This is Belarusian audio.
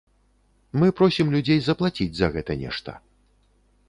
Мы просім людзей заплаціць за гэта нешта.